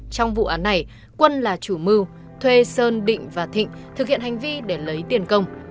trong vụ án này quân là chủ mưu thuê sơn định và thịnh thực hiện hành vi để lấy tiền công